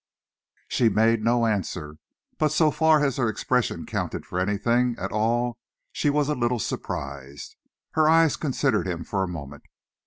She made no answer, but so far as her expression counted for anything at all, she was a little surprised. Her eyes considered him for a moment.